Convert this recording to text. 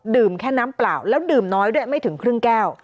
แค่น้ำเปล่าแล้วดื่มน้อยด้วยไม่ถึงครึ่งแก้ว